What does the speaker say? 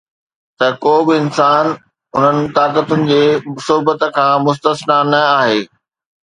ته ڪو به انسان انهن طاقتن جي صحبت کان مستثنيٰ نه آهي